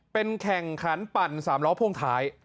เป็นแข่งขันปั่น๓ล้อพ่วงท้าย